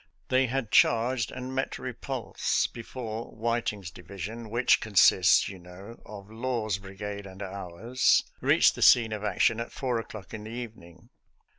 They had charged and met repulse before Whiting's di vision — ^which consists, you know, of Law's bri gade and ours — reached the scene of action at 4 o'clock in the evening.